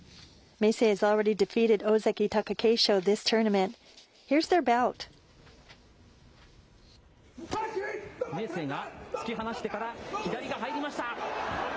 明生が突き放してから、左が入りました。